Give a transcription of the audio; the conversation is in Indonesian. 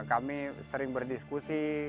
kami sering berdiskusi